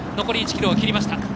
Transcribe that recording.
残り１ｋｍ切りました